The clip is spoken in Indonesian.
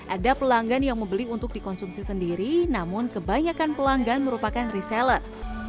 ada pelanggan yang membeli untuk dikonsumsi sendiri namun kebanyakan pelanggan merupakan reseller